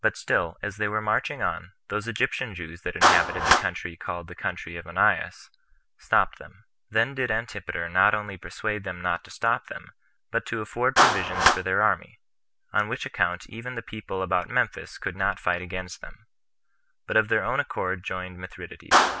But still, as they were marching on, those Egyptian Jews that inhabited the country called the country of Onias stopped them. Then did Antipater not only persuade them not to stop them, but to afford provisions for their army; on which account even the people about Memphis would not fight against them, but of their own accord joined Mithridates.